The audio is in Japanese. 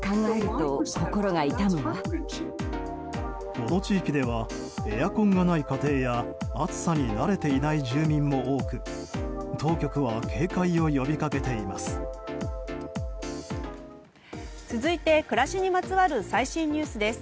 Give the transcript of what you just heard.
この地域ではエアコンがない家庭や暑さに慣れていない住民も多く当局は警戒を呼びかけています。